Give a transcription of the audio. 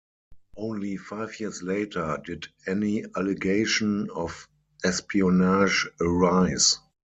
Only five years later did any allegation of espionage arise.